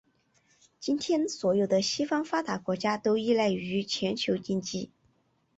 今天所有的西方发达国家都依赖于全球经济。